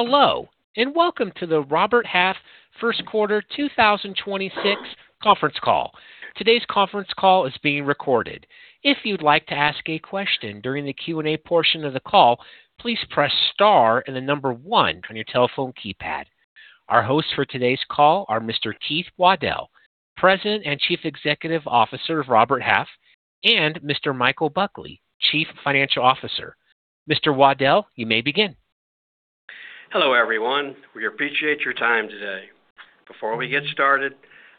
Hello, and welcome to the Robert Half First Quarter 2026 Conference Call. Today's conference call is being recorded. If you'd like to ask a question during the Q&A portion of the call, please press star and the number one on your telephone keypad. Our hosts for today's call are Mr. Keith Waddell, President and Chief Executive Officer of Robert Half, and Mr. Michael Buckley, Chief Financial Officer. Mr. Waddell, you may begin. Hello, everyone. We appreciate your time today. Before we get started,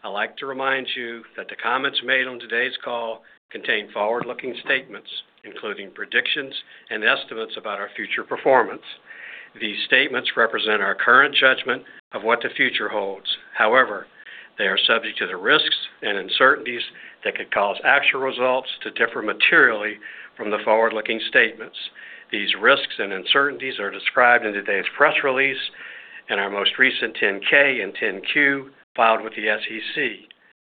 I'd like to remind you that the comments made on today's call contain forward-looking statements, including predictions and estimates about our future performance. These statements represent our current judgment of what the future holds. However, they are subject to the risks and uncertainties that could cause actual results to differ materially from the forward-looking statements. These risks and uncertainties are described in today's press release and our most recent 10-K and 10-Q filed with the SEC.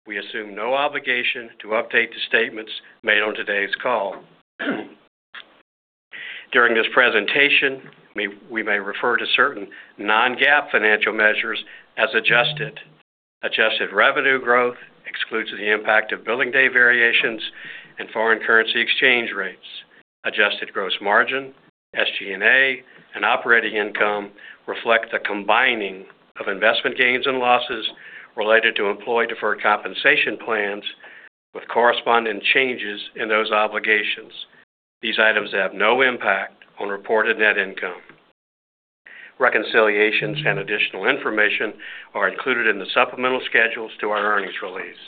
We assume no obligation to update the statements made on today's call. During this presentation, we may refer to certain non-GAAP financial measures as adjusted. Adjusted revenue growth excludes the impact of billing day variations and foreign currency exchange rates. Adjusted gross margin, SG&A, and operating income reflect the combining of investment gains and losses related to employee deferred compensation plans with corresponding changes in those obligations. These items have no impact on reported net income. Reconciliations and additional information are included in the supplemental schedules to our earnings release.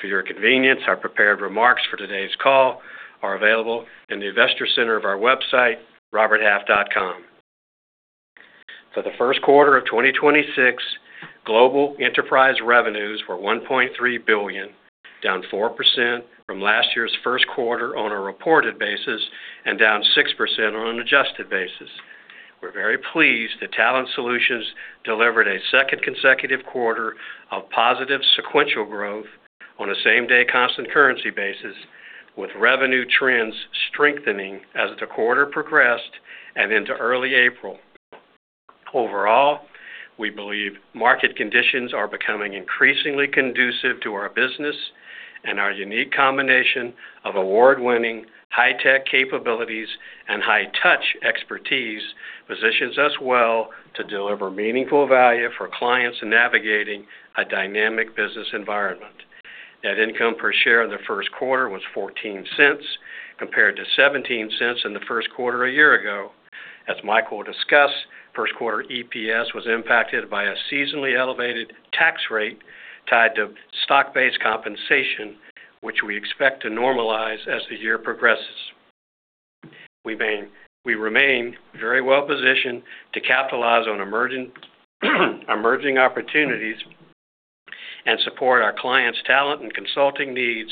For your convenience, our prepared remarks for today's call are available in the investor center of our website, roberthalf.com. For the first quarter of 2026, global enterprise revenues were $1.3 billion, down 4% from last year's first quarter on a reported basis and down 6% on an adjusted basis. We're very pleased that Talent Solutions delivered a second consecutive quarter of positive sequential growth on a same-day constant currency basis, with revenue trends strengthening as the quarter progressed and into early April. Overall, we believe market conditions are becoming increasingly conducive to our business, and our unique combination of award-winning high-tech capabilities and high-touch expertise positions us well to deliver meaningful value for clients in navigating a dynamic business environment. Net income per share in the first quarter was $0.14, compared to $0.17 in the first quarter a year ago. As Michael will discuss, first-quarter EPS was impacted by a seasonally elevated tax rate tied to stock-based compensation, which we expect to normalize as the year progresses. We remain very well-positioned to capitalize on emerging opportunities and support our clients' talent and consulting needs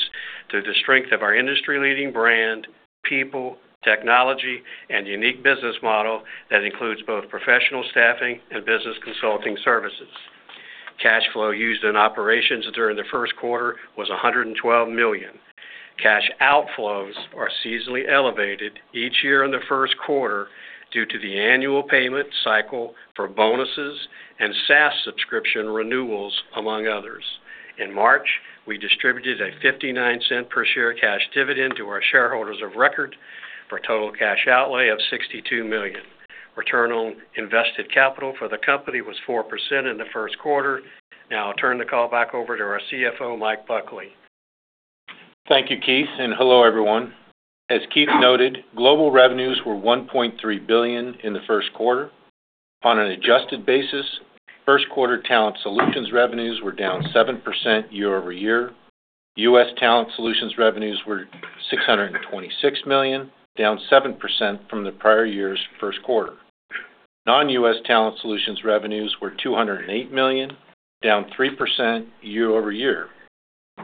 through the strength of our industry-leading brand, people, technology, and unique business model that includes both professional staffing and business consulting services. Cash flow used in operations during the first quarter was $112 million. Cash outflows are seasonally elevated each year in the first quarter due to the annual payment cycle for bonuses and SaaS subscription renewals, among others. In March, we distributed a $0.59 per share cash dividend to our shareholders of record for total cash outlay of $62 million. Return on invested capital for the company was 4% in the first quarter. Now I'll turn the call back over to our CFO, Mike Buckley. Thank you, Keith, and hello, everyone. As Keith noted, global revenues were $1.3 billion in the first quarter. On an adjusted basis, first quarter Talent Solutions revenues were down 7% year-over-year. U.S. Talent Solutions revenues were $626 million, down 7% from the prior year's first quarter. Non-U.S. Talent Solutions revenues were $208 million, down 3% year-over-year.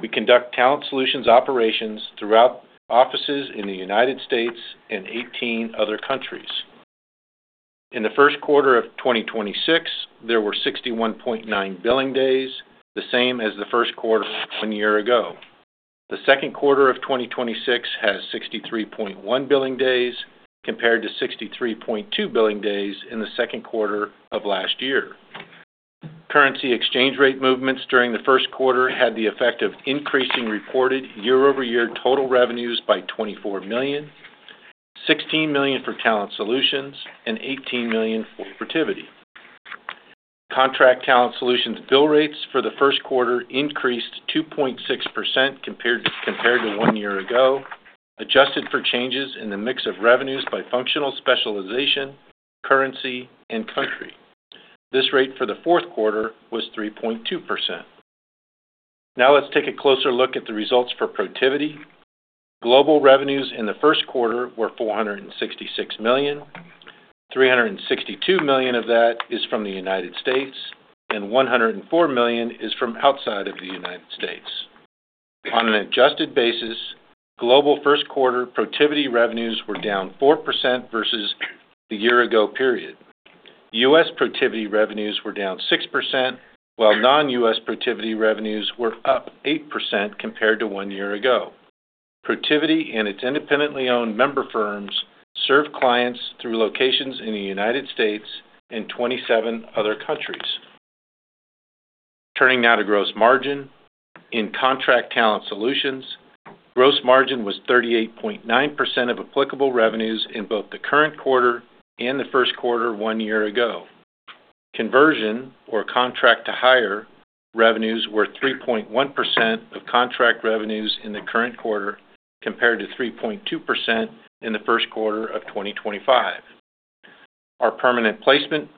We conduct Talent Solutions operations throughout offices in the United States and 18 other countries. In the first quarter of 2026, there were 61.9 billing days, the same as the first quarter one year ago. The second quarter of 2026 has 63.1 billing days, compared to 63.2 billing days in the second quarter of last year. Currency exchange rate movements during the first quarter had the effect of increasing reported year-over-year total revenues by $24 million, $16 million for Talent Solutions and $18 million for Protiviti. Contract Talent Solutions bill rates for the first quarter increased 2.6% compared to one year ago, adjusted for changes in the mix of revenues by functional specialization, currency, and country. This rate for the fourth quarter was 3.2%. Now let's take a closer look at the results for Protiviti. Global revenues in the first quarter were $466 million, $362 million of that is from the United States, and $104 million is from outside of the United States. On an adjusted basis, global first quarter Protiviti revenues were down 4% versus the year ago period. U.S. Protiviti revenues were down 6%, while non-U.S. Protiviti revenues were up 8% compared to one year ago. Protiviti and its independently owned member firms serve clients through locations in the United States and 27 other countries. Turning now to gross margin. In Contract Talent Solutions, gross margin was 38.9% of applicable revenues in both the current quarter and the first quarter one year ago. Conversion of contract-to-hire revenues were 3.1% of contract revenues in the current quarter, compared to 3.2% in the first quarter of 2025. Our permanent placement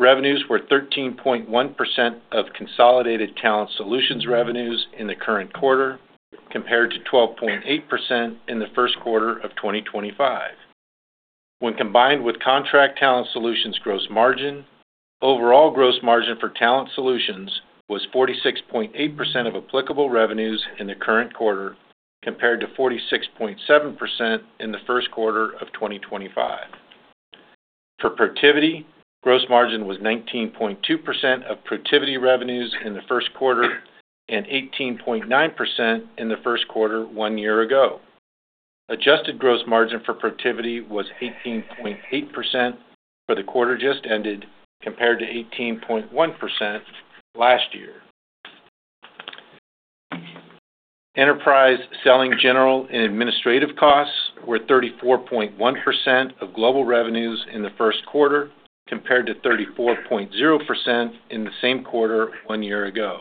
revenues were 13.1% of consolidated Talent Solutions revenues in the current quarter, compared to 12.8% in the first quarter of 2025. When combined with Contract Talent Solutions gross margin, overall gross margin for Talent Solutions was 46.8% of applicable revenues in the current quarter, compared to 46.7% in the first quarter of 2025. For Protiviti, gross margin was 19.2% of Protiviti revenues in the first quarter and 18.9% in the first quarter one year ago. Adjusted gross margin for Protiviti was 18.8% for the quarter just ended, compared to 18.1% last year. Enterprise selling, general, and administrative costs were 34.1% of global revenues in the first quarter, compared to 34.0% in the same quarter one year ago.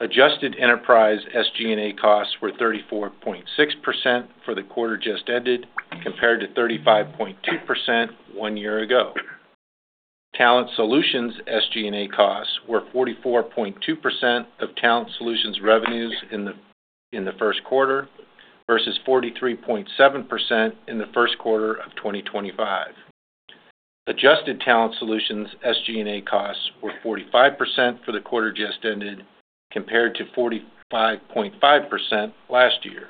Adjusted enterprise SG&A costs were 34.6% for the quarter just ended, compared to 35.2% one year ago. Talent Solutions SG&A costs were 44.2% of Talent Solutions revenues in the first quarter versus 43.7% in the first quarter of 2025. Adjusted Talent Solutions SG&A costs were 45% for the quarter just ended compared to 45.5% last year.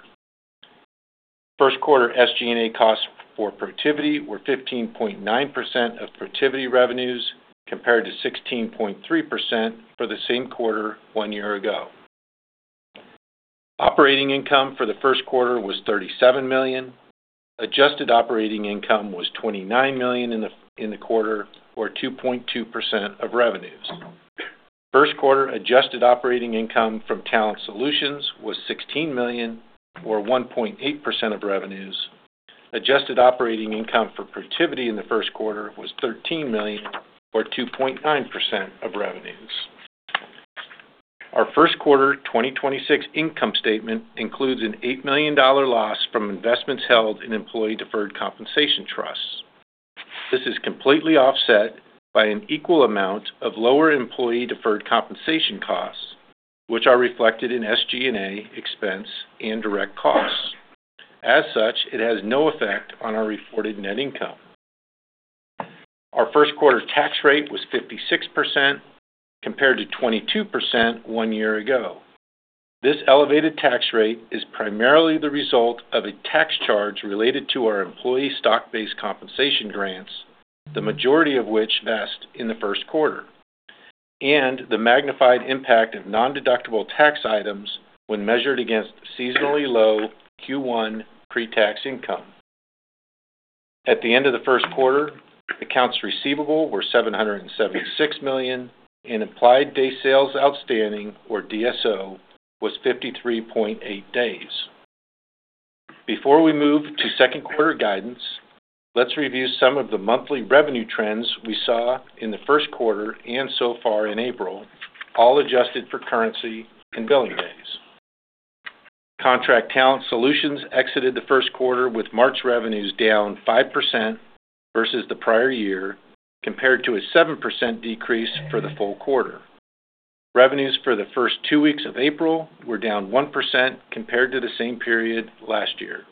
First quarter SG&A costs for Protiviti were 15.9% of Protiviti revenues compared to 16.3% for the same quarter one year ago. Operating income for the first quarter was $37 million. Adjusted operating income was $29 million in the quarter, or 2.2% of revenues. First quarter adjusted operating income from Talent Solutions was $16 million or 1.8% of revenues. Adjusted operating income for Protiviti in the first quarter was $13 million or 2.9% of revenues. Our first quarter 2026 income statement includes an $8 million loss from investments held in employee deferred compensation trusts. This is completely offset by an equal amount of lower employee deferred compensation costs, which are reflected in SG&A expense and direct costs. As such, it has no effect on our reported net income. Our first quarter tax rate was 56% compared to 22% one year ago. This elevated tax rate is primarily the result of a tax charge related to our employee stock-based compensation grants, the majority of which vested in the first quarter, and the magnified impact of nondeductible tax items when measured against seasonally low Q1 pretax income. At the end of the first quarter, accounts receivable were $776 million, and applied days sales outstanding, or DSO, was 53.8 days. Before we move to second quarter guidance, let's review some of the monthly revenue trends we saw in the first quarter and so far in April, all adjusted for currency and billing days. Contract Talent Solutions exited the first quarter with March revenues down 5% versus the prior year compared to a 7% decrease for the full quarter. Revenues for the first two weeks of April were down 1% compared to the same period last year.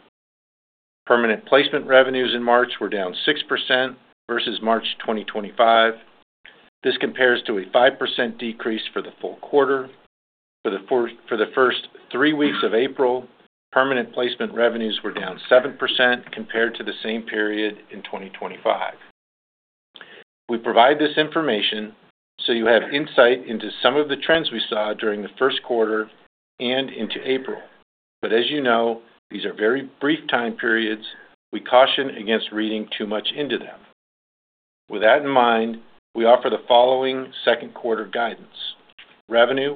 Permanent Placement revenues in March were down 6% versus March 2025. This compares to a 5% decrease for the full quarter. For the first three weeks of April, Permanent Placement revenues were down 7% compared to the same period in 2025. We provide this information so you have insight into some of the trends we saw during the first quarter and into April. As you know, these are very brief time periods. We caution against reading too much into them. With that in mind, we offer the following second quarter guidance. Revenue,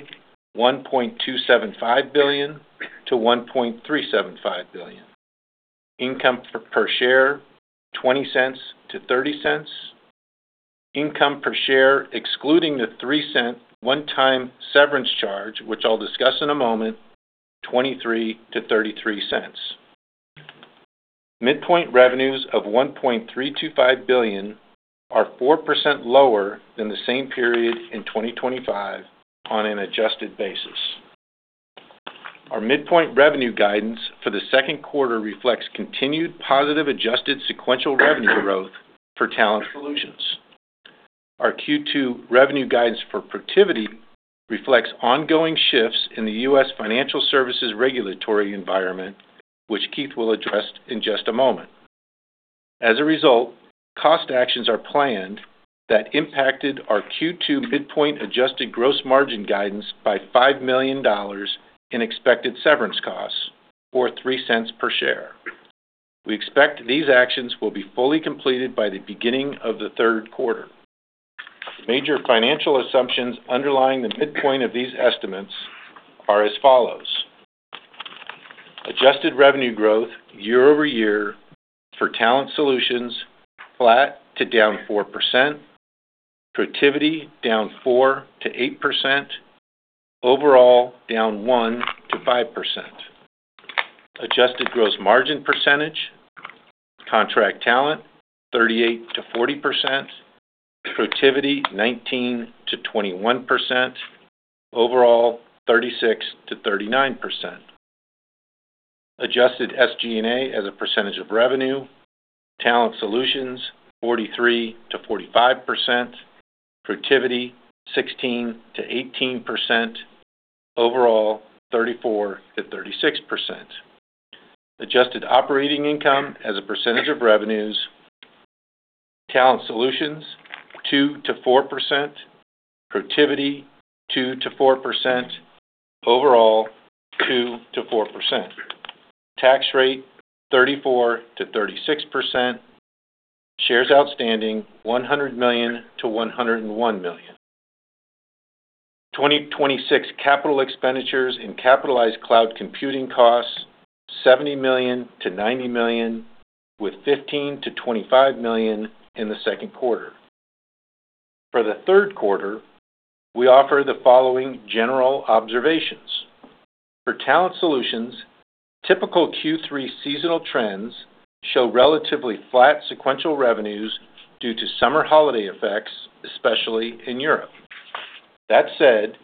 $1.275 billion-$1.375 billion. Income per share, $0.20-$0.30. Income per share, excluding the $0.03 one-time severance charge, which I'll discuss in a moment, $0.23-$0.33. Midpoint revenues of $1.325 billion are 4% lower than the same period in 2025 on an adjusted basis. Our midpoint revenue guidance for the second quarter reflects continued positive adjusted sequential revenue growth for Talent Solutions. Our Q2 revenue guidance for Protiviti reflects ongoing shifts in the U.S. financial services regulatory environment, which Keith will address in just a moment. As a result, cost actions are planned that impacted our Q2 midpoint adjusted gross margin guidance by $5 million in expected severance costs, or $0.03 per share. We expect these actions will be fully completed by the beginning of the third quarter. Major financial assumptions underlying the midpoint of these estimates are as follows. Adjusted revenue growth year-over-year for Talent Solutions, flat to down 4%. Protiviti, down 4%-8%. Overall, down 1%-5%. Adjusted gross margin percentage, Contract Talent 38%-40%. Protiviti 19%-21%. Overall, 36%-39%. Adjusted SG&A as a percentage of revenue, Talent Solutions, 43%-45%. Protiviti, 16%-18%. Overall, 34%-36%. Adjusted operating income as a percentage of revenues, Talent Solutions., 2%-4%. Protiviti, 2%-4%. Overall, 2%-4%. Tax rate 34%-36%. Shares outstanding 100 million-101 million. 2026 capital expenditures in capitalized cloud computing costs $70 million-$90 million, with $15 million-$25 million in the second quarter. For the third quarter, we offer the following general observations. For Talent Solutions, typical Q3 seasonal trends show relatively flat sequential revenues due to summer holiday effects, especially in Europe. That said,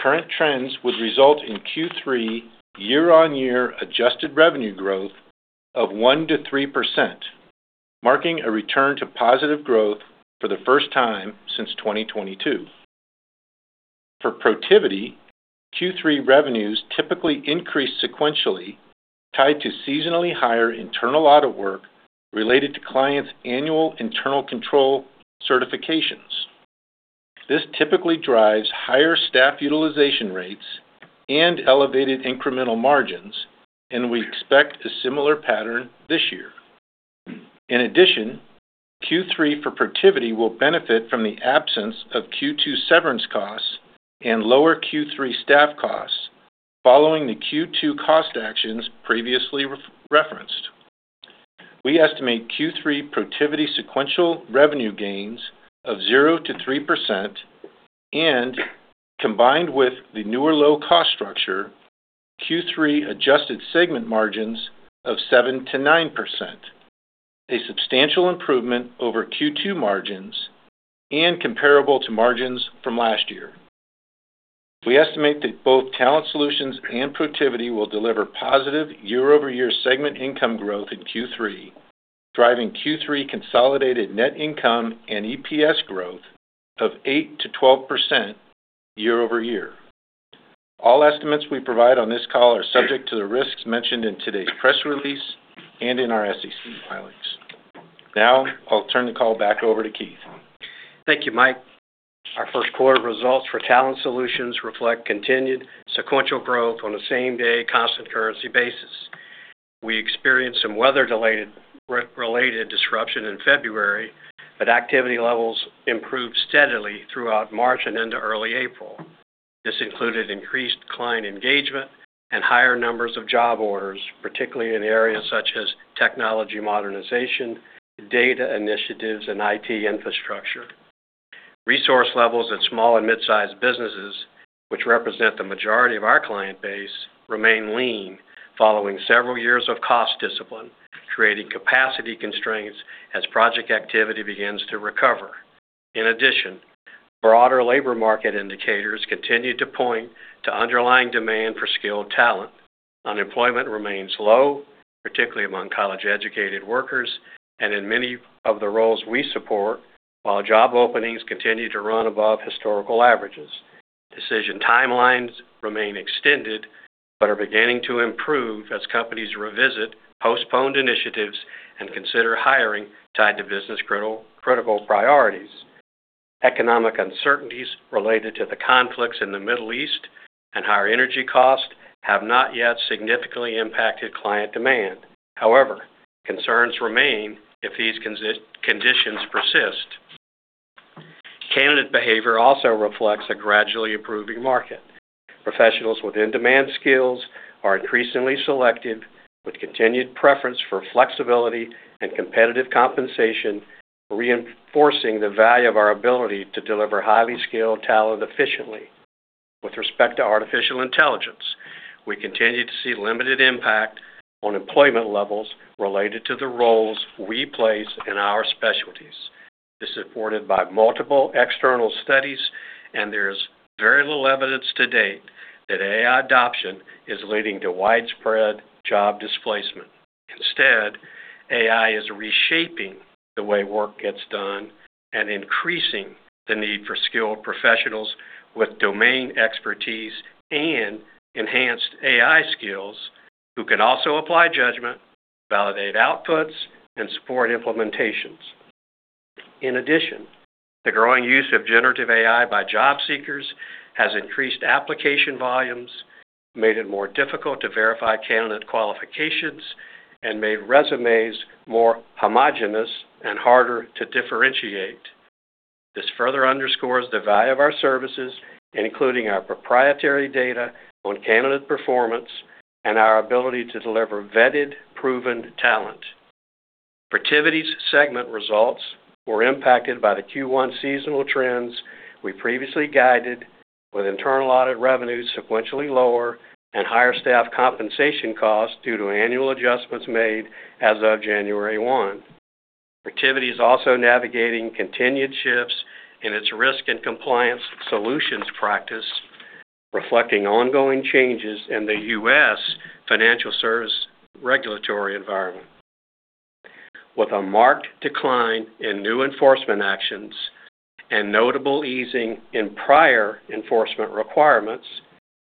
current trends would result in Q3 year-on-year adjusted revenue growth of 1%-3%, marking a return to positive growth for the first time since 2022. For Protiviti, Q3 revenues typically increase sequentially, tied to seasonally higher internal audit work related to clients' annual internal control certifications. This typically drives higher staff utilization rates and elevated incremental margins, and we expect a similar pattern this year. In addition, Q3 for Protiviti will benefit from the absence of Q2 severance costs and lower Q3 staff costs following the Q2 cost actions previously referenced. We estimate Q3 Protiviti sequential revenue gains of 0%-3% and, combined with the newer low-cost structure, Q3 adjusted segment margins of 7%-9%, a substantial improvement over Q2 margins and comparable to margins from last year. We estimate that both Talent Solutions and Protiviti will deliver positive year-over-year segment income growth in Q3, driving Q3 consolidated net income and EPS growth of 8%-12% year-over-year. All estimates we provide on this call are subject to the risks mentioned in today's press release and in our SEC filings. Now, I'll turn the call back over to Keith. Thank you, Mike. Our first quarter results for Talent Solutions reflect continued sequential growth on a same-day constant currency basis. We experienced some weather-related disruption in February, but activity levels improved steadily throughout March and into early April. This included increased client engagement and higher numbers of job orders, particularly in areas such as technology modernization, data initiatives, and IT infrastructure. Resource levels at small and midsize businesses, which represent the majority of our client base, remain lean following several years of cost discipline, creating capacity constraints as project activity begins to recover. In addition, broader labor market indicators continue to point to underlying demand for skilled talent. Unemployment remains low, particularly among college-educated workers, and in many of the roles we support, while job openings continue to run above historical averages. Decision timelines remain extended but are beginning to improve as companies revisit postponed initiatives and consider hiring tied to business-critical priorities. Economic uncertainties related to the conflicts in the Middle East and higher energy costs have not yet significantly impacted client demand. However, concerns remain if these conditions persist. Candidate behavior also reflects a gradually improving market. Professionals with in-demand skills are increasingly selective, with continued preference for flexibility and competitive compensation, reinforcing the value of our ability to deliver highly skilled talent efficiently. With respect to artificial intelligence, we continue to see limited impact on employment levels related to the roles we place in our specialties. This is supported by multiple external studies, and there is very little evidence to date that AI adoption is leading to widespread job displacement. Instead, AI is reshaping the way work gets done, and increasing the need for skilled professionals with domain expertise and enhanced AI skills who can also apply judgment, validate outputs, and support implementations. In addition, the growing use of generative AI by job seekers has increased application volumes, made it more difficult to verify candidate qualifications, and made resumes more homogeneous and harder to differentiate. This further underscores the value of our services, including our proprietary data on candidate performance and our ability to deliver vetted, proven talent. Protiviti's segment results were impacted by the Q1 seasonal trends we previously guided with internal audit revenues sequentially lower and higher staff compensation costs due to annual adjustments made as of January 1. Protiviti is also navigating continued shifts in its risk and compliance solutions practice, reflecting ongoing changes in the U.S. financial services regulatory environment. With a marked decline in new enforcement actions and notable easing in prior enforcement requirements,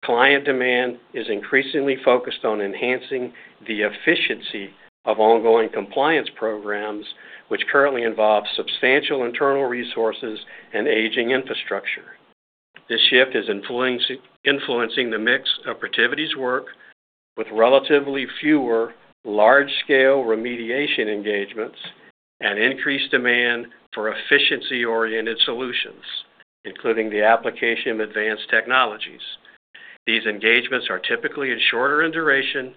client demand is increasingly focused on enhancing the efficiency of ongoing compliance programs, which currently involve substantial internal resources and aging infrastructure. This shift is influencing the mix of Protiviti's work with relatively fewer large-scale remediation engagements and increased demand for efficiency-oriented solutions, including the application of advanced technologies. These engagements are typically shorter in duration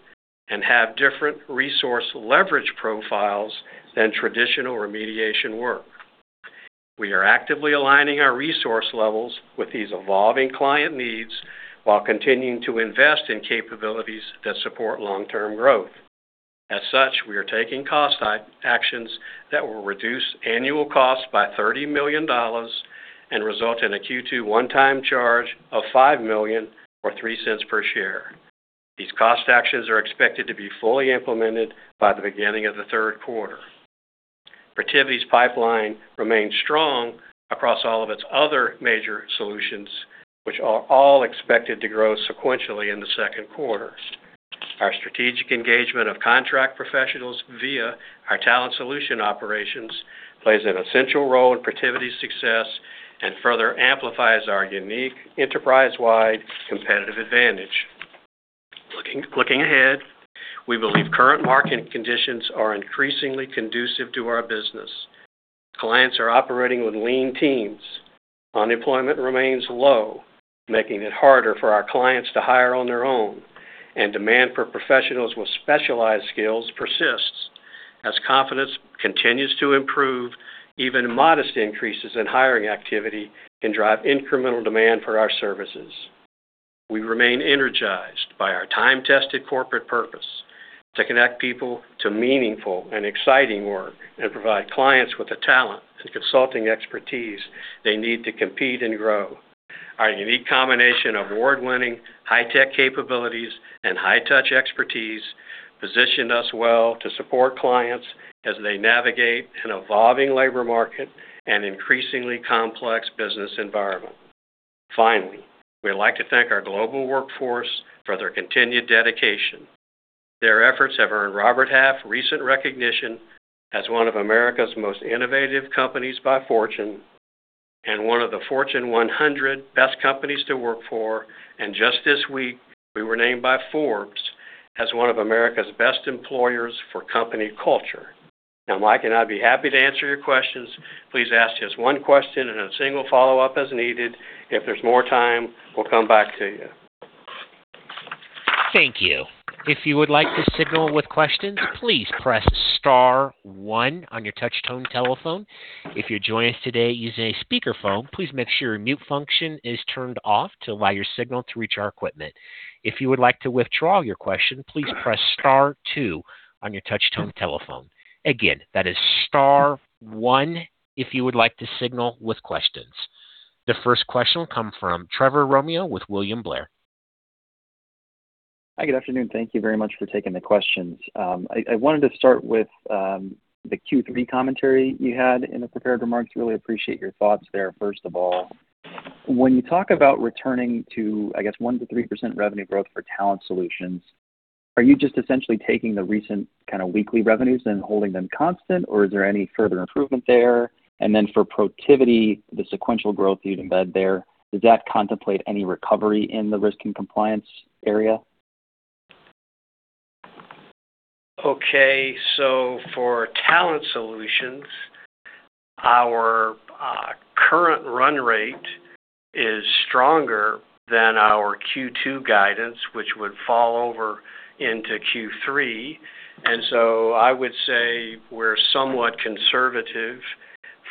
and have different resource leverage profiles than traditional remediation work. We are actively aligning our resource levels with these evolving client needs while continuing to invest in capabilities that support long-term growth. As such, we are taking cost actions that will reduce annual costs by $30 million and result in a Q2 one-time charge of $5 million or $0.03 per share. These cost actions are expected to be fully implemented by the beginning of the third quarter. Protiviti's pipeline remains strong across all of its other major solutions, which are all expected to grow sequentially in the second quarter. Our strategic engagement of contract professionals via our Talent Solutions operations plays an essential role in Protiviti's success and further amplifies our unique enterprise-wide competitive advantage. Looking ahead, we believe current market conditions are increasingly conducive to our business. Clients are operating with lean teams. Unemployment remains low, making it harder for our clients to hire on their own, and demand for professionals with specialized skills persists. As confidence continues to improve, even modest increases in hiring activity can drive incremental demand for our services. We remain energized by our time-tested corporate purpose to connect people to meaningful and exciting work and provide clients with the talent and consulting expertise they need to compete and grow. Our unique combination of award-winning, high-tech capabilities and high-touch expertise position us well to support clients as they navigate an evolving labor market and an increasingly complex business environment. Finally, we'd like to thank our global workforce for their continued dedication. Their efforts have earned Robert Half recent recognition as one of America's Most Innovative Companies by Fortune and one of the Fortune 100 Best Companies to Work For. Just this week, we were named by Forbes as one of America's best employers for company culture. Now, Mike and I'd be happy to answer your questions. Please ask just one question and a single follow-up as needed. If there's more time, we'll come back to you. Thank you. If you would like to signal with questions, please press star one on your touch-tone telephone. If you join us today using a speakerphone, please make sure your mute function is turned off to allow your signal to reach our equipment. If you would like to withdraw your question, please press star two on your touch-tone telephone. Again, that is star one if you would like to signal with questions. The first question will come from Trevor Romeo with William Blair. Hi. Good afternoon. Thank you very much for taking the questions. I wanted to start with the Q3 commentary you had in the prepared remarks. Really appreciate your thoughts there, first of all. When you talk about returning to, I guess, 1%-3% revenue growth for Talent Solutions, are you just essentially taking the recent kind of weekly revenues and holding them constant, or is there any further improvement there? And then for Protiviti, the sequential growth you'd embed there, does that contemplate any recovery in the risk and compliance area? Okay. For Talent Solutions, our current run rate is stronger than our Q2 guidance, which would fall over into Q3. I would say we're somewhat conservative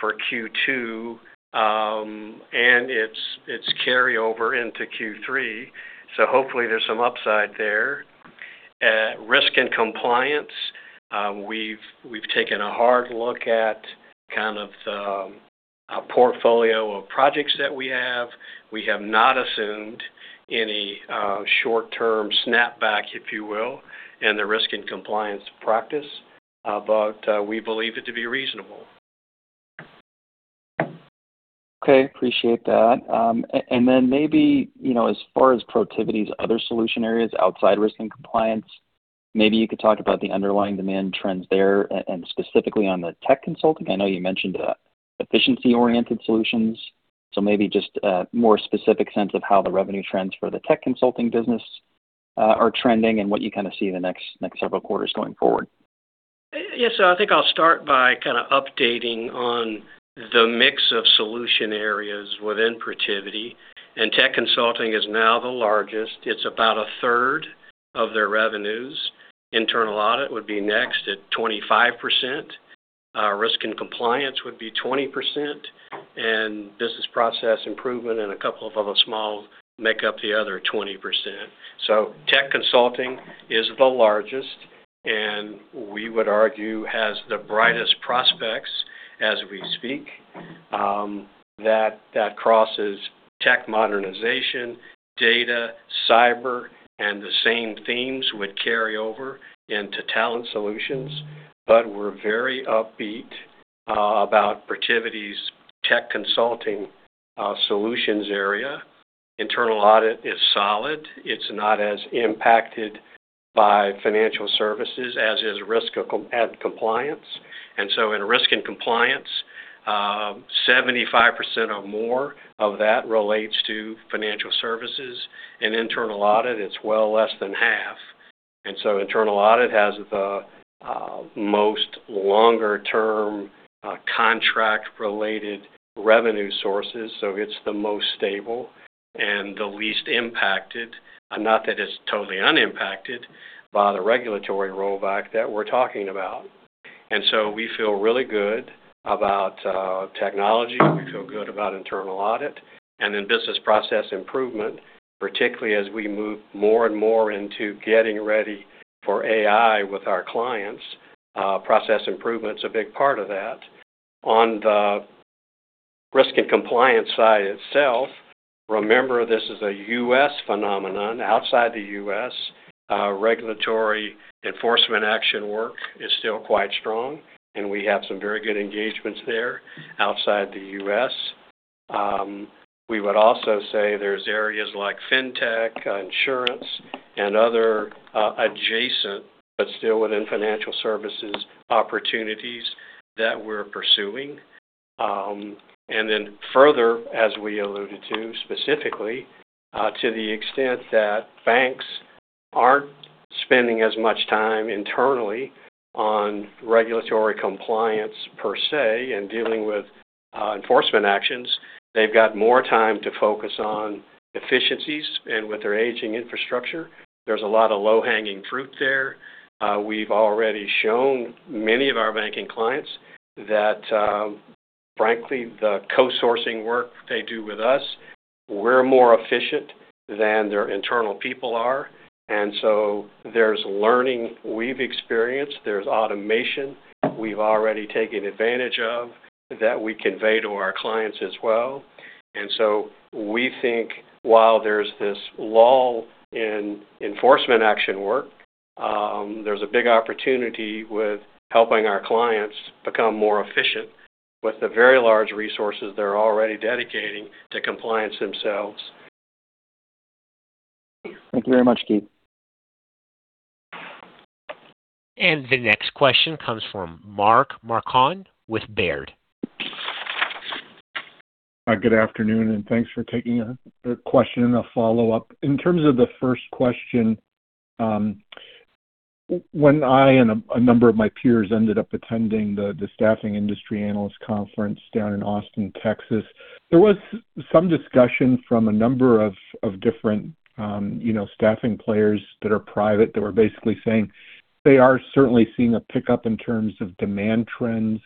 for Q2, and its carryover into Q3. Hopefully, there's some upside there. At risk and compliance, we've taken a hard look at kind of the portfolio of projects that we have. We have not assumed any short-term snapback, if you will, in the risk and compliance practice, but we believe it to be reasonable. Okay. Appreciate that. Maybe as far as Protiviti's other solution areas outside risk and compliance, maybe you could talk about the underlying demand trends there and specifically on the tech consulting. I know you mentioned efficiency-oriented solutions, so maybe just a more specific sense of how the revenue trends for the tech consulting business are trending and what you kind of see in the next several quarters going forward. Yes. I think I'll start by kind of updating on the mix of solution areas within Protiviti, and tech consulting is now the largest. It's about 1/3 of their revenues. Internal audit would be next at 25%. Risk and compliance would be 20%, and business process improvement and a couple of other small make up the other 20%. Tech consulting is the largest, and we would argue has the brightest prospects as we speak. That crosses tech modernization, data, cyber, and the same themes would carry over into Talent Solutions. But we're very upbeat about Protiviti's tech consulting solutions area. Internal audit is solid. It's not as impacted by financial services as is risk and compliance. In risk and compliance, 75% or more of that relates to financial services. In internal audit, it's well less than half, and so internal audit has the most longer-term, contract-related revenue sources, so it's the most stable and the least impacted. Not that it's totally unimpacted by the regulatory rollback that we're talking about. We feel really good about technology. We feel good about internal audit and then business process improvement, particularly as we move more and more into getting ready for AI with our clients. Process improvement is a big part of that. On the risk and compliance side itself, remember, this is a U.S. phenomenon. Outside the U.S., regulatory enforcement action work is still quite strong, and we have some very good engagements there outside the U.S. We would also say there's areas like fintech, insurance, and other adjacent, but still within financial services, opportunities that we're pursuing. Further, as we alluded to specifically, to the extent that banks aren't spending as much time internally on regulatory compliance per se and dealing with enforcement actions. They've got more time to focus on efficiencies and with their aging infrastructure. There's a lot of low-hanging fruit there. We've already shown many of our banking clients that, frankly, the co-sourcing work they do with us, we're more efficient than their internal people are. There's learning we've experienced. There's automation we've already taken advantage of that we convey to our clients as well. We think while there's this lull in enforcement action work, there's a big opportunity with helping our clients become more efficient with the very large resources they're already dedicating to compliance themselves. Thank you very much, Keith. The next question comes from Mark Marcon with Baird. Good afternoon, and thanks for taking a question and a follow-up. In terms of the first question, when I and a number of my peers ended up attending the Staffing Industry Analysts conference down in Austin, Texas, there was some discussion from a number of different staffing players that are private, that were basically saying they are certainly seeing a pickup in terms of demand trends.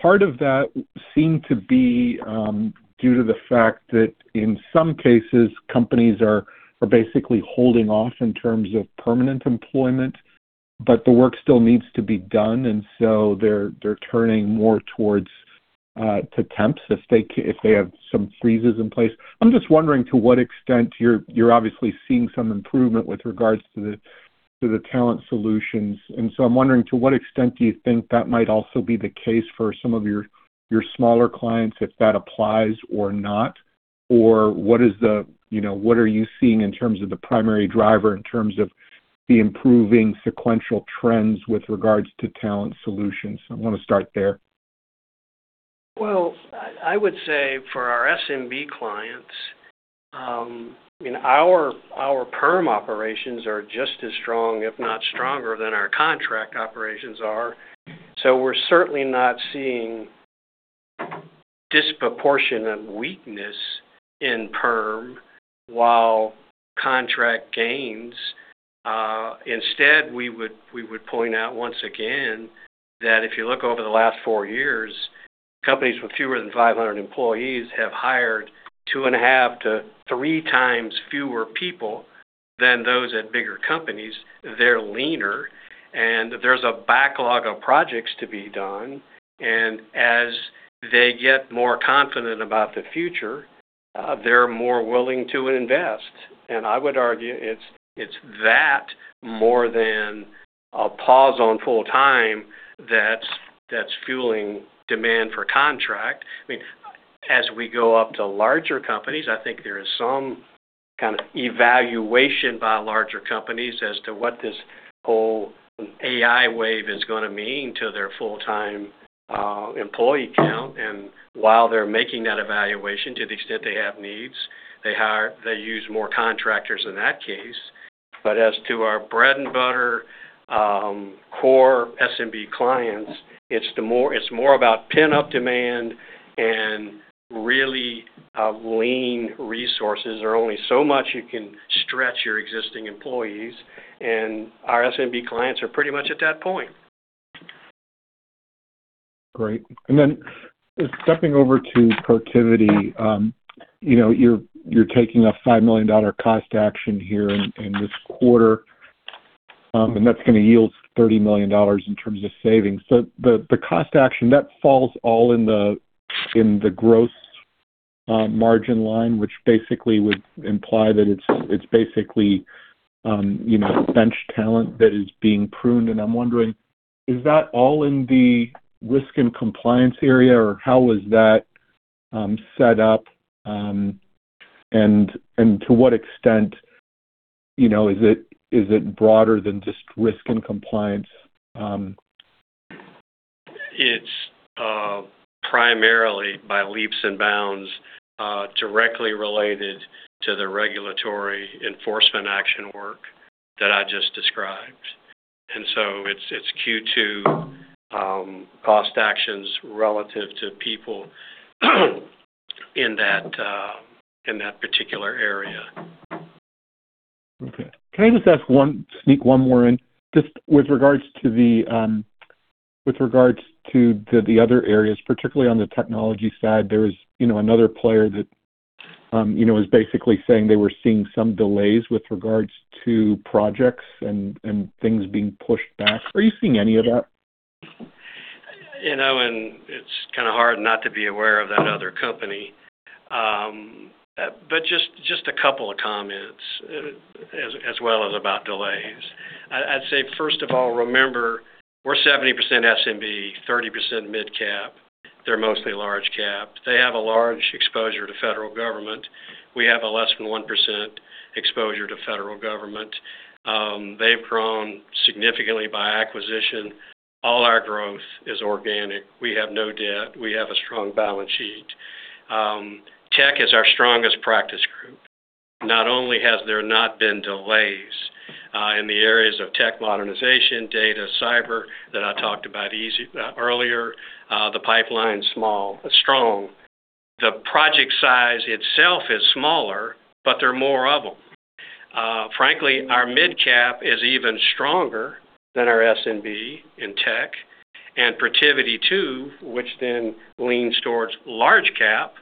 Part of that seemed to be due to the fact that in some cases, companies are basically holding off in terms of permanent employment, but the work still needs to be done, and so they're turning more towards to temps if they have some freezes in place. I'm just wondering to what extent you're obviously seeing some improvement with regards to the Talent Solutions. I'm wondering to what extent do you think that might also be the case for some of your smaller clients, if that applies or not? Or what are you seeing in terms of the primary driver in terms of the improving sequential trends with regards to Talent Solutions? I want to start there. Well, I would say for our SMB clients, our perm operations are just as strong, if not stronger, than our contract operations are. We're certainly not seeing disproportionate weakness in perm while contract gains. Instead, we would point out once again that if you look over the last four years. Companies with fewer than 500 employees have hired 2.5 to three times fewer people than those at bigger companies. They're leaner, and there's a backlog of projects to be done. As they get more confident about the future, they're more willing to invest. I would argue it's that more than a pause on full-time that's fueling demand for contract. As we go up to larger companies, I think there is some kind of evaluation by larger companies as to what this whole AI wave is going to mean to their full-time employee count. While they're making that evaluation, to the extent they have needs, they use more contractors in that case. As to our bread-and-butter core SMB clients, it's more about pent-up demand and really lean resources. There are only so much you can stretch your existing employees, and our SMB clients are pretty much at that point. Great. Stepping over to Protiviti. You're taking a $5 million cost action here in this quarter, and that's going to yield $30 million in terms of savings. The cost action, that falls all in the gross margin line, which basically would imply that it's basically bench talent that is being pruned. I'm wondering, is that all in the risk and compliance area, or how was that set up? To what extent is it broader than just risk and compliance? It's primarily by leaps and bounds, directly related to the regulatory enforcement action work that I just described. It's Q2 cost actions relative to people in that particular area. Okay. Can I just sneak one more in, just with regards to the other areas, particularly on the technology side. There's another player that is basically saying they were seeing some delays with regards to projects and things being pushed back. Are you seeing any of that? It's kind of hard not to be aware of that other company. Just a couple of comments as well as about delays. I'd say, first of all, remember, we're 70% SMB, 30% midcap. They're mostly large cap. They have a large exposure to federal government. We have a less than 1% exposure to federal government. They've grown significantly by acquisition. All our growth is organic. We have no debt. We have a strong balance sheet. Tech is our strongest practice group. Not only has there not been delays in the areas of tech modernization, data, cyber that I talked about earlier, the pipeline's strong. The project size itself is smaller, but there are more of them. Frankly, our midcap is even stronger than our SMB in tech and Protiviti too, which then leans towards large cap.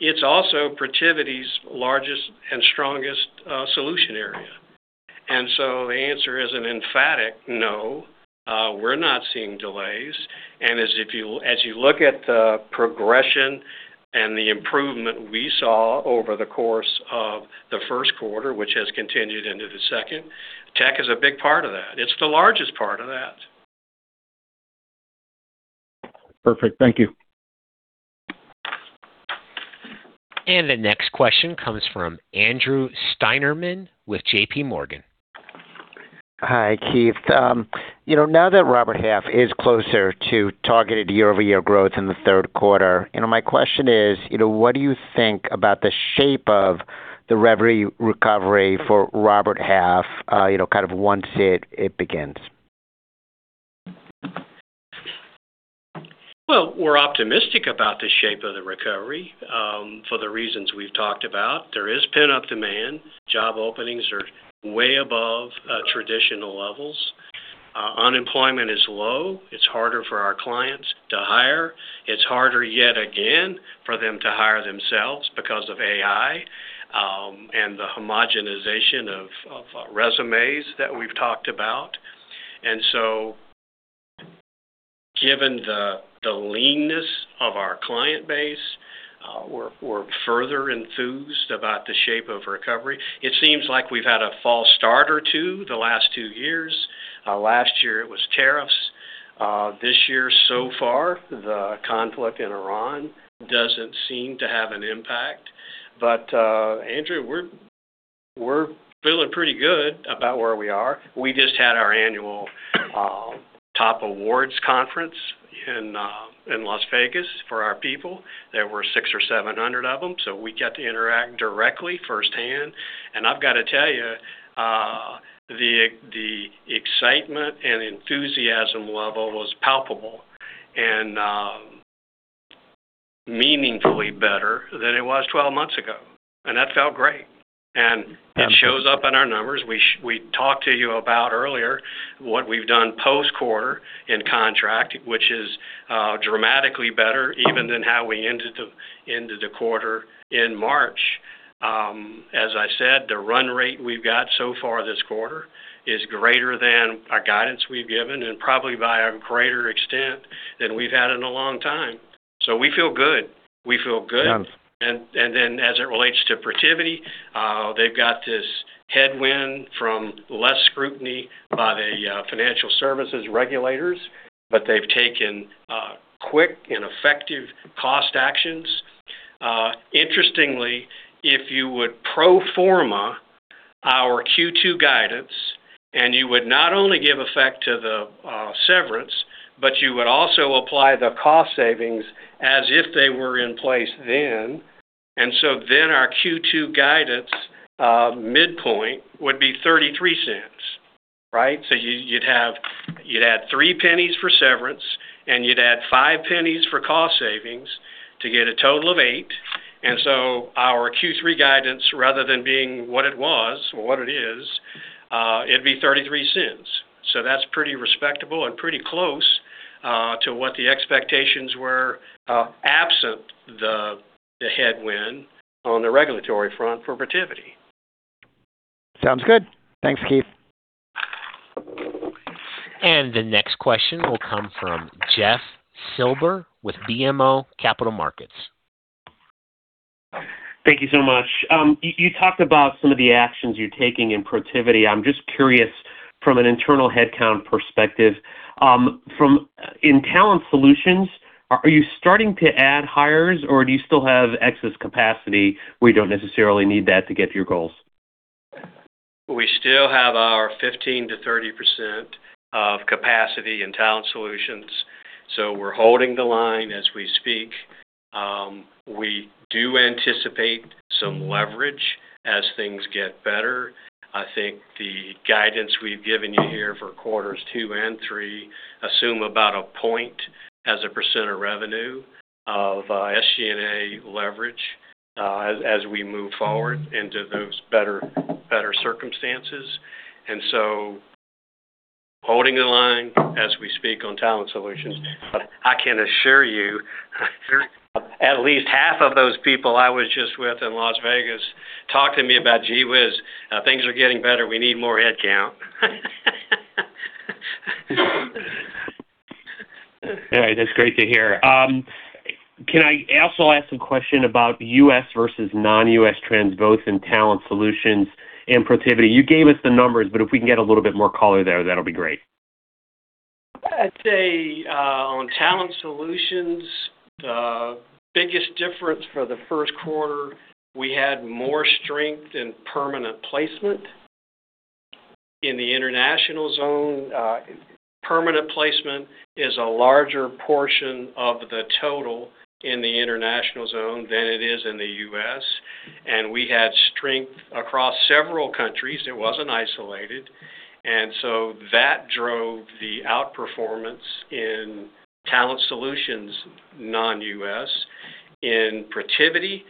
It's also Protiviti's largest and strongest solution area. The answer is an emphatic no. We're not seeing delays. As you look at the progression and the improvement we saw over the course of the first quarter, which has continued into the second, tech is a big part of that. It's the largest part of that. Perfect. Thank you. The next question comes from Andrew Steinerman with JPMorgan. Hi, Keith. Now that Robert Half is closer to targeted year-over-year growth in the third quarter, my question is, what do you think about the shape of the recovery for Robert Half, kind of once it begins? Well, we're optimistic about the shape of the recovery for the reasons we've talked about. There is pent-up demand. Job openings are way above traditional levels. Unemployment is low. It's harder for our clients to hire. It's harder yet again for them to hire themselves because of AI and the homogenization of resumes that we've talked about. Given the leanness of our client base, we're further enthused about the shape of recovery. It seems like we've had a false start or two the last two years. Last year, it was tariffs. This year so far, the conflict in Iran doesn't seem to have an impact. Andrew, we're feeling pretty good about where we are. We just had our annual top awards conference in Las Vegas for our people. There were 600 or 700 of them, so we got to interact directly firsthand. I've got to tell you, the excitement and enthusiasm level was palpable. Meaningfully better than it was 12 months ago, and that felt great. It shows up in our numbers. We talked to you about earlier what we've done post-quarter in contract, which is dramatically better even than how we ended the quarter in March. As I said, the run rate we've got so far this quarter is greater than our guidance we've given, and probably by a greater extent than we've had in a long time. We feel good. We feel good. Yeah. Then as it relates to Protiviti, they've got this headwind from less scrutiny by the financial services regulators, but they've taken quick and effective cost actions. Interestingly, if you would pro forma our Q2 guidance, and you would not only give effect to the severance, but you would also apply the cost savings as if they were in place then. Our Q2 guidance midpoint would be $0.33. You'd add $0.03 for severance, and you'd add $0.05 for cost savings to get a total of $0.08. Our Q3 guidance rather than being what it was or what it is, it'd be $0.33. That's pretty respectable and pretty close to what the expectations were, absent the headwind on the regulatory front for Protiviti. Sounds good. Thanks, Keith. The next question will come from Jeff Silber with BMO Capital Markets. Thank you so much. You talked about some of the actions you're taking in Protiviti. I'm just curious from an internal headcount perspective, in Talent Solutions, are you starting to add hires or do you still have excess capacity where you don't necessarily need that to get to your goals? We still have our 15%-30% of capacity in Talent Solutions. We're holding the line as we speak. We do anticipate some leverage as things get better. I think the guidance we've given you here for quarters two and three assume about a point as a percent of revenue of SG&A leverage as we move forward into those better circumstances. Holding the line as we speak on Talent Solutions. I can assure you at least half of those people I was just with in Las Vegas talk to me about Gee whiz. Things are getting better, we need more headcount. All right. That's great to hear. Can I also ask a question about U.S. versus non-U.S. trends, both in Talent Solutions and Protiviti? You gave us the numbers, but if we can get a little bit more color there, that'll be great. I'd say on Talent Solutions, the biggest difference for the first quarter, we had more strength in Permanent Placement. In the international zone, Permanent Placement is a larger portion of the total in the international zone than it is in the U.S., and we had strength across several countries. It wasn't isolated. That drove the outperformance in Talent Solutions non-U.S. In Protiviti,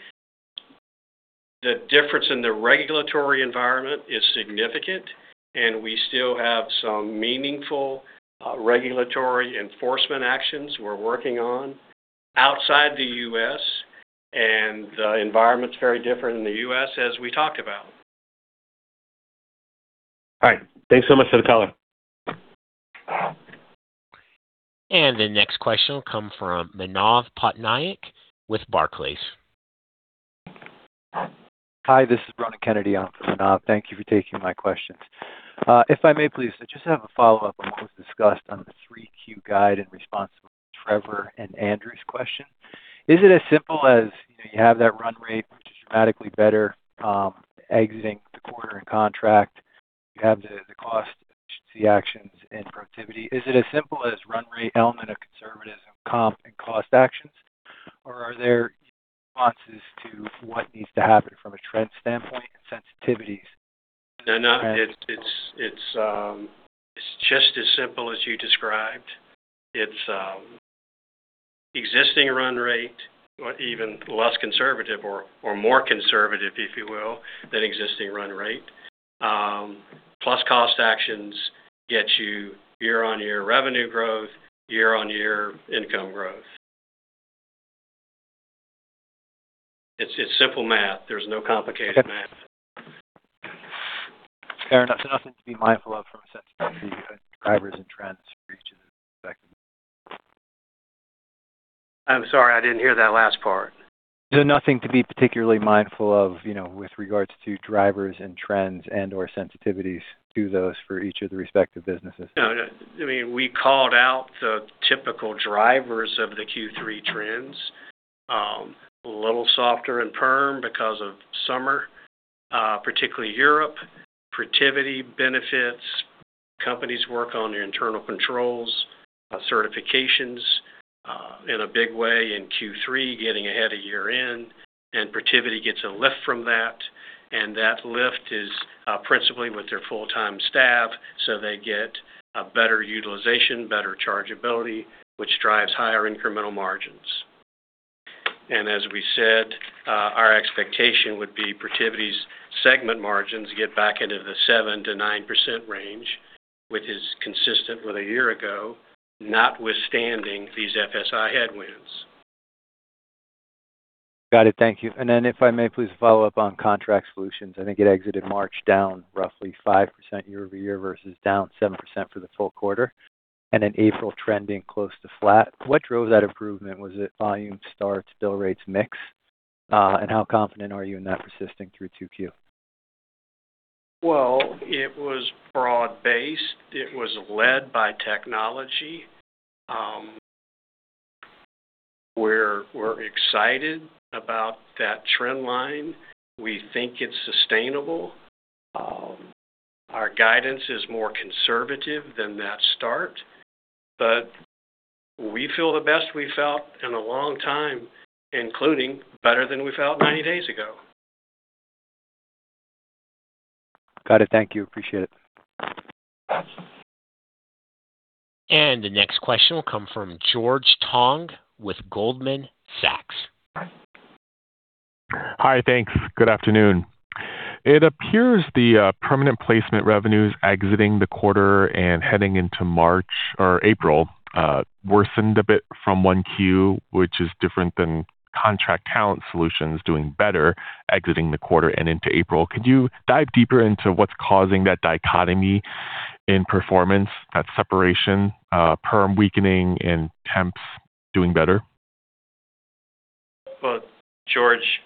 the difference in the regulatory environment is significant, and we still have some meaningful regulatory enforcement actions we're working on outside the U.S., and the environment's very different in the U.S., as we talked about. All right. Thanks so much for the color. The next question will come from Manav Patnaik with Barclays. Hi, this is Ronan Kennedy on for Manav. Thank you for taking my questions. If I may please, I just have a follow-up on what was discussed on the 3Q guide in response to Trevor and Andrew's question. Is it as simple as you have that run rate, which is dramatically better, exiting the quarter and contract? You have the cost efficiency actions in Protiviti. Is it as simple as run rate element of conservatism comp and cost actions, or are there responses to what needs to happen from a trend standpoint and sensitivities? No, it's just as simple as you described. It's existing run rate, or even less conservative or more conservative, if you will, than existing run rate. Plus cost actions get you year-on-year revenue growth, year-on-year income growth. It's just simple math. There's no complicated math. Okay. Fair enough. Nothing to be mindful of from a seasonality drivers and trends for each of the respective- I'm sorry, I didn't hear that last part. Nothing to be particularly mindful of with regards to drivers and trends and/or sensitivities to those for each of the respective businesses. No. We called out the typical drivers of the Q3 trends. A little softer in perm because of summer, particularly Europe. Protiviti benefits. Companies work on their internal controls, certifications in a big way in Q3, getting ahead of year-end, and Protiviti gets a lift from that. That lift is principally with their full-time staff, so they get a better utilization, better chargeability, which drives higher incremental margins. As we said, our expectation would be Protiviti's segment margins get back into the 7%-9% range, which is consistent with a year ago, notwithstanding these FSI headwinds. Got it. Thank you. If I may please follow up on Contract Solutions. I think it exited March down roughly 5% year-over-year versus down 7% for the full quarter, and in April trending close to flat. What drove that improvement? Was it volume starts, bill rates mix? How confident are you in that persisting through 2Q? Well, it was broad-based. It was led by technology. We're excited about that trend line. We think it's sustainable. Our guidance is more conservative than that start, but we feel the best we've felt in a long time, including better than we felt 90 days ago. Got it. Thank you. Appreciate it. The next question will come from George Tong with Goldman Sachs. Hi. Thanks. Good afternoon. It appears the permanent placement revenues exiting the quarter and heading into March or April worsened a bit from 1Q, which is different than Contract Talent Solutions doing better exiting the quarter and into April. Could you dive deeper into what's causing that dichotomy in performance, that separation, perm weakening and temps doing better? Well, George,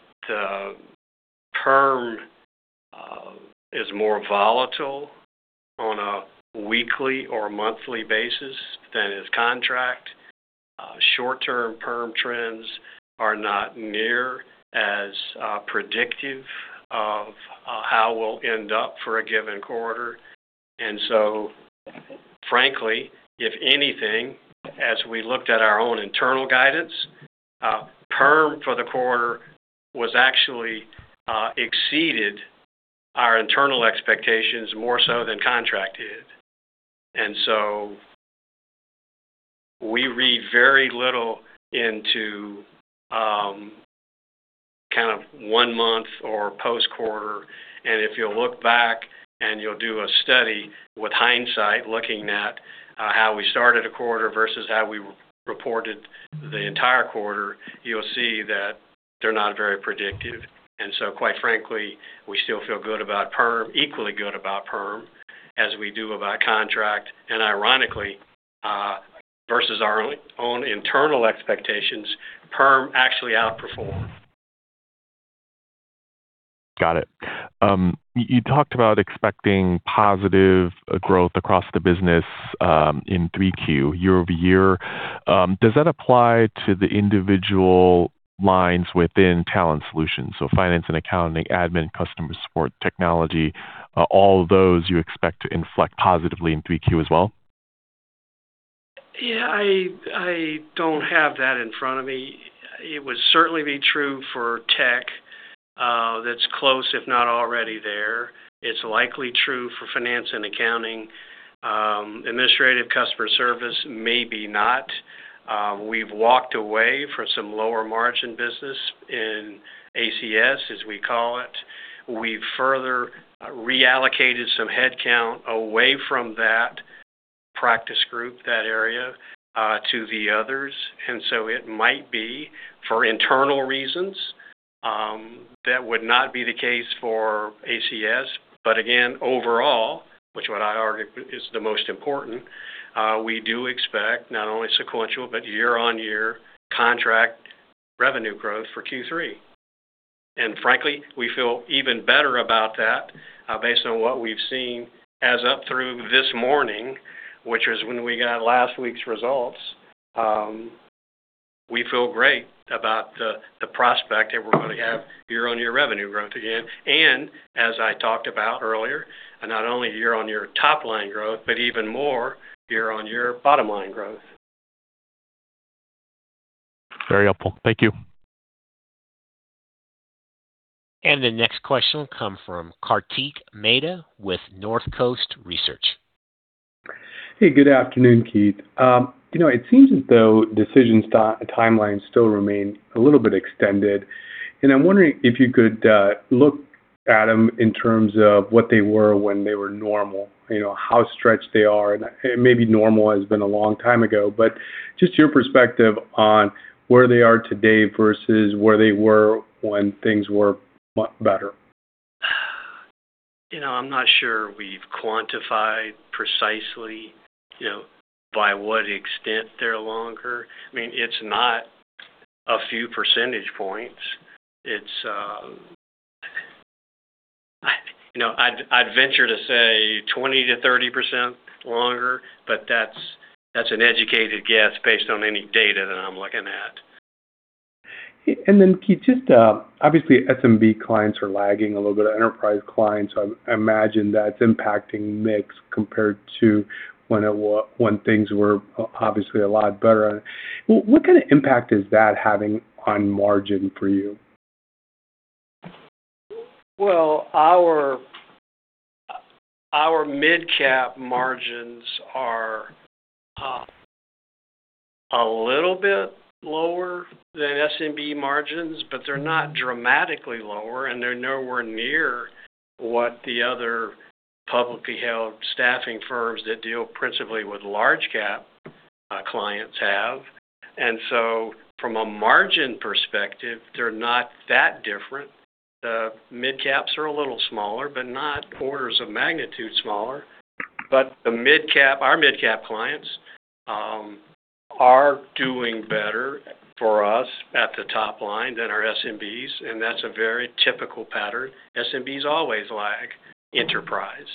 perm is more volatile on a weekly or monthly basis than is contract. Short term perm trends are not near as predictive of how we'll end up for a given quarter. Frankly, if anything, as we looked at our own internal guidance, perm for the quarter actually exceeded our internal expectations more so than contract did. We read very little into kind of one month or post-quarter. If you'll look back and you'll do a study with hindsight, looking at how we started a quarter versus how we reported the entire quarter, you'll see that they're not very predictive. Quite frankly, we still feel good about perm, equally good about perm, as we do about contract. Ironically, versus our own internal expectations, perm actually outperformed. Got it. You talked about expecting positive growth across the business in 3Q year-over-year. Does that apply to the individual lines within Talent Solutions, so finance and accounting, admin, customer support, technology, all of those you expect to inflect positively in 3Q as well? Yeah, I don't have that in front of me. It would certainly be true for tech. That's close, if not already there. It's likely true for finance and accounting. Administrative customer service, maybe not. We've walked away from some lower margin business in ACS, as we call it. We've further reallocated some headcount away from that practice group, that area, to the others. It might be for internal reasons, that would not be the case for ACS. Again, overall, which is what I argue is the most important, we do expect not only sequential but year-on-year contract revenue growth for Q3. Frankly, we feel even better about that based on what we've seen so far up through this morning, which is when we got last week's results. We feel great about the prospect that we're going to have year-on-year revenue growth again. As I talked about earlier, not only year-on-year top line growth, but even more year-on-year bottom line growth. Very helpful. Thank you. The next question will come from Kartik Mehta with Northcoast Research. Hey, good afternoon, Keith. It seems as though decision timelines still remain a little bit extended, and I'm wondering if you could look at them in terms of what they were when they were normal, how stretched they are. Maybe normal has been a long time ago, but just your perspective on where they are today versus where they were when things were much better. I'm not sure we've quantified precisely by what extent they're longer. It's not a few percentage points. I'd venture to say 20%-30% longer, but that's an educated guess based on any data that I'm looking at. Keith, just obviously SMB clients are lagging a little bit, enterprise clients. I imagine that's impacting mix compared to when things were obviously a lot better. What kind of impact is that having on margin for you? Well, our mid-cap margins are a little bit lower than SMB margins, but they're not dramatically lower, and they're nowhere near what the other publicly held staffing firms that deal principally with large-cap clients have. From a margin perspective, they're not that different. The mid-caps are a little smaller, but not orders of magnitude smaller. Our mid-cap clients are doing better for us at the top line than our SMBs, and that's a very typical pattern. SMBs always lag enterprise,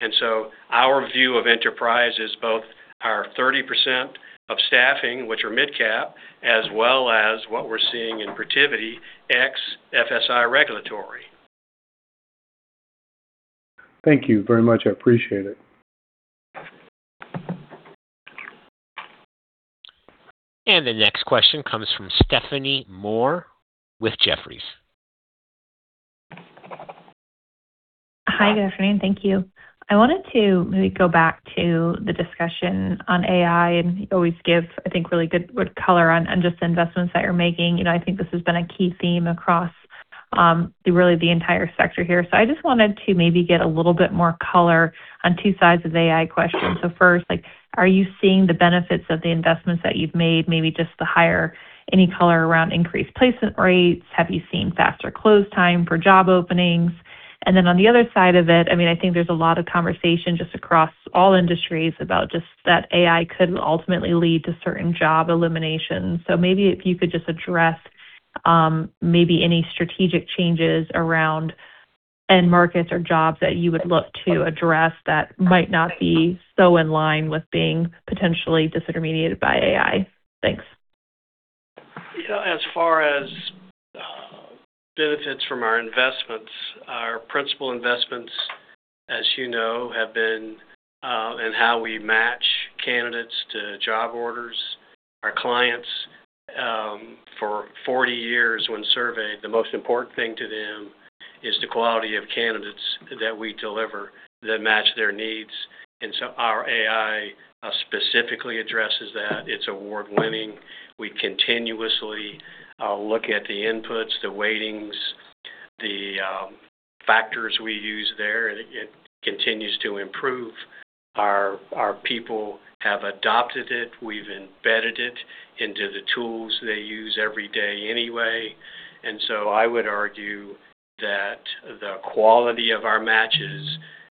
and so our view of enterprise is both our 30% of staffing, which are mid-cap, as well as what we're seeing in Protiviti ex FSI regulatory. Thank you very much. I appreciate it. The next question comes from Stephanie Moore with Jefferies. Hi. Good afternoon. Thank you. I wanted to maybe go back to the discussion on AI, and you always give, I think, really good color on just the investments that you're making. I think this has been a key theme across really the entire sector here. I just wanted to maybe get a little bit more color on two sides of AI questions. First, are you seeing the benefits of the investments that you've made, maybe just the higher, any color around increased placement rates? Have you seen faster close time for job openings? And then on the other side of it, I mean, I think there's a lot of conversation just across all industries about just that AI could ultimately lead to certain job elimination. Maybe if you could just address maybe any strategic changes around end markets or jobs that you would look to address that might not be so in line with being potentially disintermediated by AI? Thanks. As far as benefits from our investments, our principal investments, as you know, have been in how we match candidates to job orders. Our clients, for 40 years when surveyed, the most important thing to them is the quality of candidates that we deliver that match their needs. Our AI specifically addresses that. It's award-winning. We continuously look at the inputs, the weightings, the factors we use there, and it continues to improve. Our people have adopted it. We've embedded it into the tools they use every day anyway. I would argue that the quality of our matches,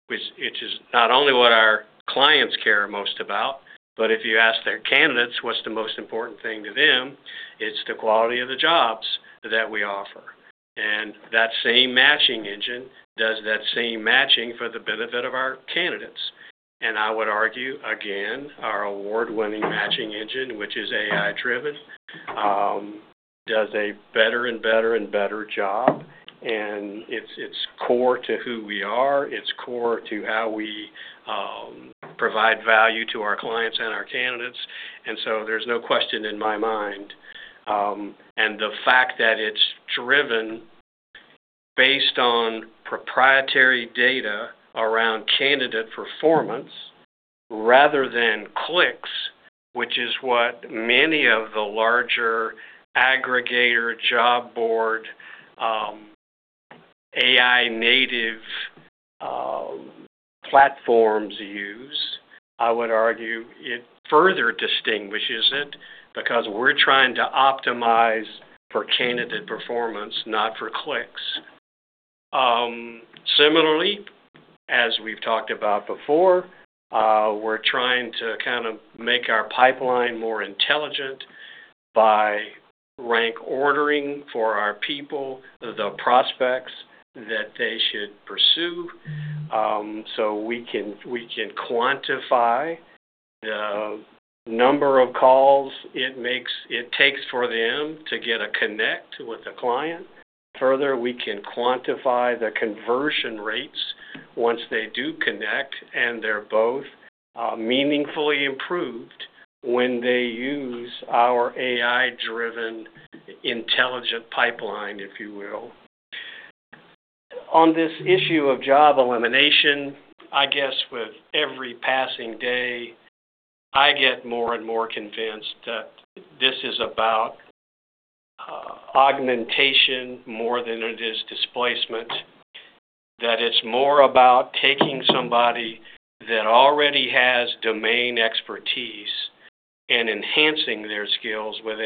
which is not only what our clients care most about, but if you ask their candidates what's the most important thing to them, it's the quality of the jobs that we offer. That same matching engine does that same matching for the benefit of our candidates. I would argue, again, our award-winning matching engine, which is AI driven, does a better and better and better job, and it's core to who we are. It's core to how we provide value to our clients and our candidates. There's no question in my mind. The fact that it's driven based on proprietary data around candidate performance rather than clicks, which is what many of the larger aggregator job board AI native platforms use, I would argue it further distinguishes it because we're trying to optimize for candidate performance, not for clicks. Similarly, as we've talked about before, we're trying to kind of make our pipeline more intelligent by rank ordering for our people the prospects that they should pursue, so we can quantify the number of calls it takes for them to get a connect with a client. Further, we can quantify the conversion rates once they do connect, and they're both meaningfully improved when they use our AI-driven intelligent pipeline, if you will. On this issue of job elimination, I guess with every passing day, I get more and more convinced that this is about augmentation more than it is displacement, that it's more about taking somebody that already has domain expertise and enhancing their skills with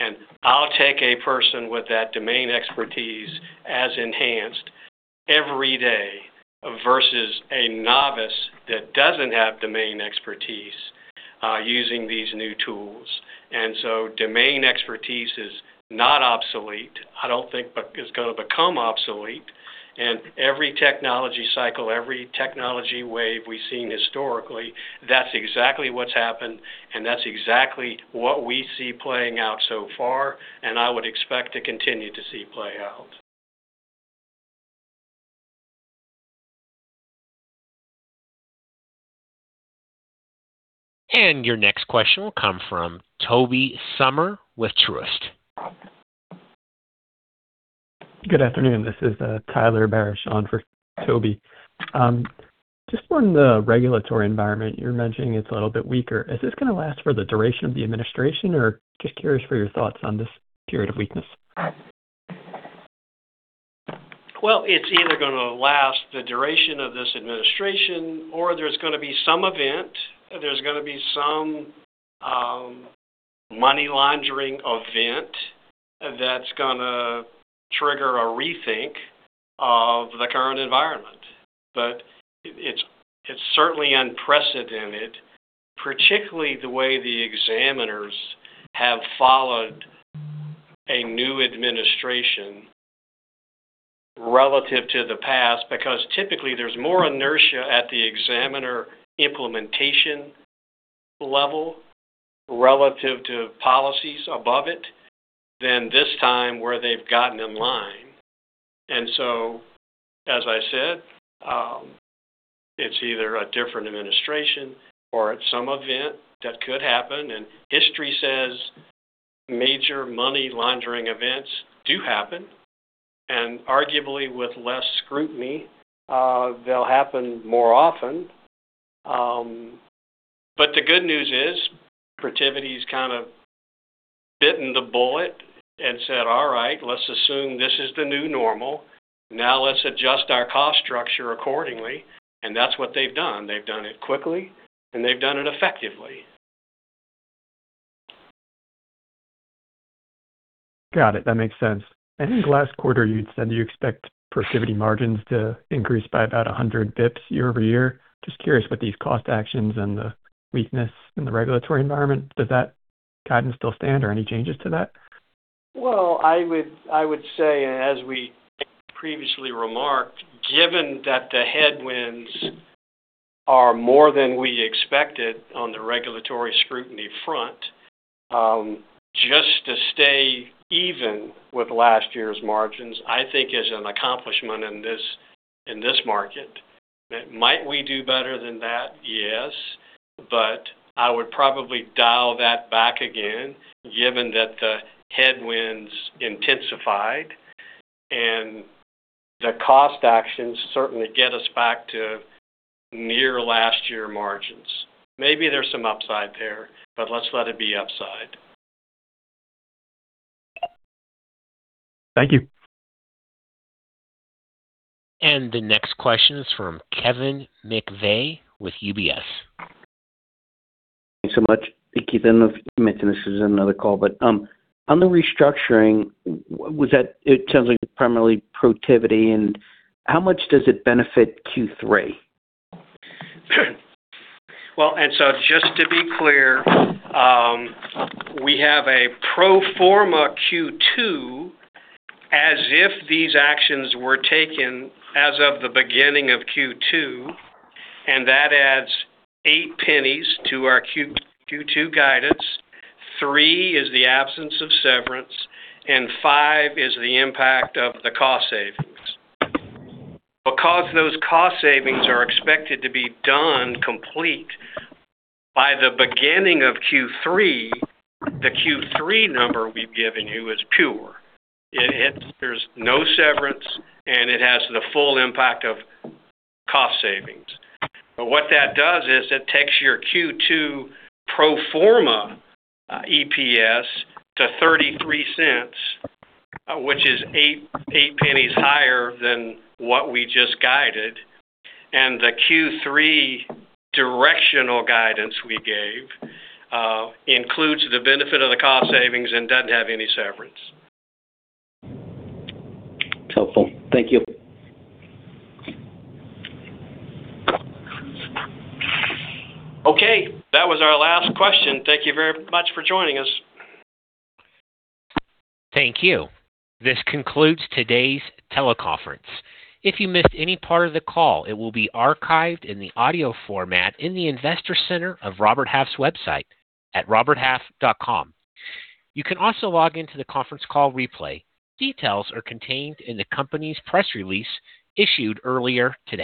AI. I'll take a person with that domain expertise as enhanced every day versus a novice that doesn't have domain expertise using these new tools. Domain expertise is not obsolete, I don't think it is going to become obsolete. Every technology cycle, every technology wave we've seen historically, that's exactly what's happened. That's exactly what we see playing out so far, and I would expect to continue to see play out. Your next question will come from Tobey Sommer with Truist. Good afternoon. This is Tyler Barishaw on for Tobey. Just on the regulatory environment you're mentioning, it's a little bit weaker. Is this going to last for the duration of the administration or just curious for your thoughts on this period of weakness? Well, it's either going to last the duration of this administration or there's going to be some event, there's going to be some money laundering event that's going to trigger a rethink of the current environment. It's certainly unprecedented, particularly the way the examiners have followed a new administration relative to the past, because typically there's more inertia at the examiner implementation level relative to policies above it than this time, where they've gotten in line. As I said, it's either a different administration or some event that could happen. History says major money laundering events do happen, and arguably with less scrutiny, they'll happen more often. The good news is Protiviti's kind of bitten the bullet and said, "All right, let's assume this is the new normal. Now let's adjust our cost structure accordingly." That's what they've done. They've done it quickly, and they've done it effectively. Got it. That makes sense. I think last quarter you'd said you expect Protiviti margins to increase by about 100 bps year-over-year. Just curious, with these cost actions and the weakness in the regulatory environment, does that guidance still stand or any changes to that? Well, I would say, as we previously remarked, given that the headwinds are more than we expected on the regulatory scrutiny front, just to stay even with last year's margins, I think is an accomplishment in this market. Might we do better than that? Yes, but I would probably dial that back again, given that the headwinds intensified and the cost actions certainly get us back to near last year margins. Maybe there's some upside there, but let's let it be upside. Thank you. The next question is from Kevin McVeigh with UBS. Thanks so much. Hey, Keith. I don't know if you mentioned this in another call, but on the restructuring, it sounds like it's primarily Protiviti. How much does it benefit Q3? Well, just to be clear, we have a pro forma Q2 as if these actions were taken as of the beginning of Q2, and that adds $0.08 to our Q2 guidance. Three is the absence of severance, and five is the impact of the cost savings. Because those cost savings are expected to be done complete by the beginning of Q3, the Q3 number we've given you is pure. There's no severance, and it has the full impact of cost savings. What that does is it takes your Q2 pro forma EPS to $0.33 which is $0.08 higher than what we just guided. The Q3 directional guidance we gave includes the benefit of the cost savings and doesn't have any severance. Helpful. Thank you. Okay, that was our last question. Thank you very much for joining us. Thank you. This concludes today's teleconference. If you missed any part of the call, it will be archived in the audio format in the Investor Center of Robert Half's website at roberthalf.com. You can also log in to the conference call replay. Details are contained in the company's press release issued earlier today.